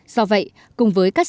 do vậy cùng với các giải phóng